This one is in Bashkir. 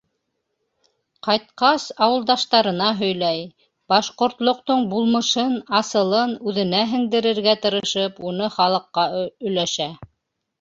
Ҡайтҡас, ауылдаштарына һөйләй, башҡортлоҡтоң булмышын, асылын үҙенә һеңдерергә тырышып, уны халыҡҡа өләшә.